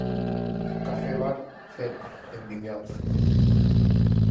Café-bar Celme, en Vimianzo.